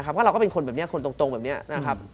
เพราะเราก็เป็นคนแบบนี้คนตรงแบบนี้นะครับ